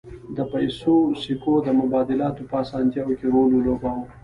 د پیسو سکو د مبادلاتو په اسانتیا کې رول ولوباوه